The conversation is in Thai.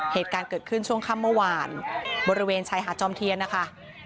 เหตุการณ์เกิดขึ้นช่วงค่ำเมื่อวานบริเวณชายหาดจอมเทียนนะคะ